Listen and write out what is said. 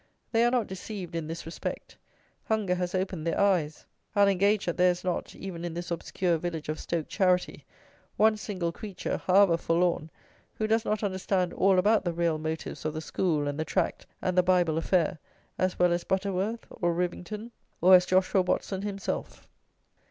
They are not deceived in this respect. Hunger has opened their eyes. I'll engage that there is not, even in this obscure village of Stoke Charity, one single creature, however forlorn, who does not understand all about the real motives of the school and the tract and the Bible affair as well as Butterworth, or Rivington, or as Joshua Watson himself.